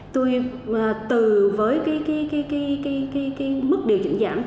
tôi từ với cái mức điều chỉnh giảm từ hai mươi đến bảy mươi với cái việc điều chỉnh giá dịch vụ